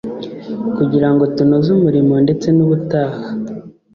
kugira ngo tunoze umurimo ndetse n'ubutaha